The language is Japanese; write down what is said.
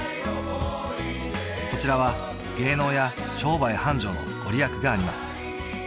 こちらは芸能や商売繁盛の御利益があります